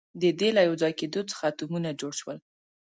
د دې له یوځای کېدو څخه اتمونه جوړ شول.